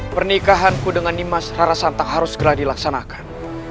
pernikahanku dengan nimas rara santang harus segera dilaksanakan